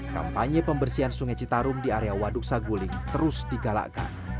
kampanye pembersihan sungai citarum di area waduksaguling terus digalakkan